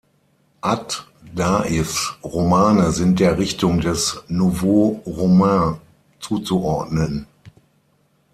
Ad-Da'ifs Romane sind der Richtung des Nouveau roman zuzuordnen.